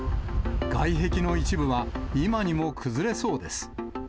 外壁の一部は、今にも崩れそうです。